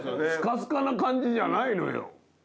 スカスカな感じじゃないのよ。